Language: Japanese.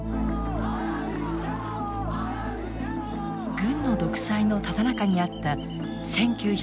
軍の独裁のただ中にあった１９８８年。